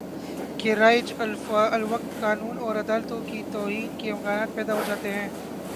کہ رائج الوقت قانون اور عدالتوں کی توہین کے امکانات پیدا ہو جاتے ہیں